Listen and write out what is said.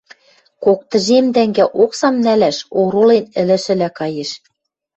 кок тӹжем тӓнгӓ оксам нӓлӓш оролен ӹлӹшӹлӓ каеш.